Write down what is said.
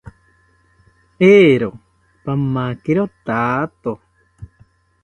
Eero, pamakiro thato